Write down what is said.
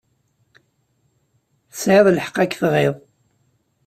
Tesɛiḍ lḥeqq ad k-tɣiḍ.